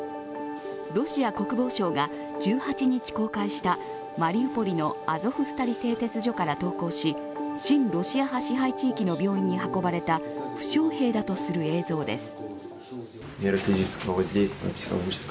ロシア国防省が１８日公開したマリウポリのアゾフスタリ製鉄所から投降し親ロシア派支配地域の病院に運ばれた負傷兵だとする映像です。